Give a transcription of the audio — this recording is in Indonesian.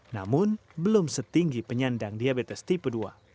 namun belum setinggi penyandang diabetes tipe dua